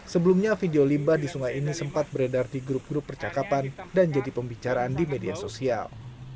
sebelumnya video limba di sungai ini sempat beredar di grup grup percakapan dan jadi pembicaraan di media sosial